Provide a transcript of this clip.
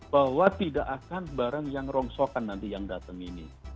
bahwa tidak akan barang yang rongsokan nanti yang datang ini